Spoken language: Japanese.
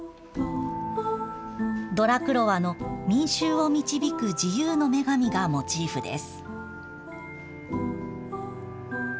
ドラクロワの民衆を導く自由の女神がモチーフです。